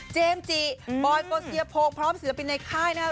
เจมส์จีบอร์ดโกสเซียโภคพร้อมศิลปินในค่ายนะครับ